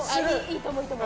いいと思う。